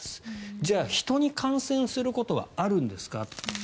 じゃあ、人に感染することはあるんですか？